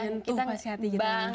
menyentuh pas hati kita